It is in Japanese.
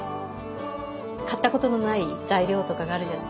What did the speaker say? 買ったことのない材料とかがあるじゃない。